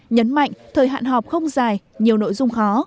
nhấn mạnh thời hạn họp không dài nhiều nội dung khó